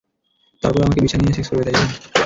তারপর ও আমাকে বিছানায় নিয়ে সেক্স করবে, তাই তো?